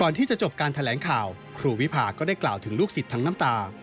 ที่จะจบการแถลงข่าวครูวิพาก็ได้กล่าวถึงลูกศิษย์ทั้งน้ำตา